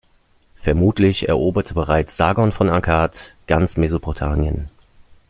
Vermutlich eroberte bereits Sargon von Akkad ganz Mesopotamien.